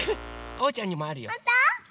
おうちゃんにもあるよ。